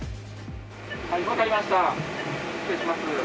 分かりました、失礼します。